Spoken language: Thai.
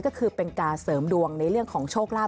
ก็คือเป็นการเสริมดวงในเรื่องของโชคลาภ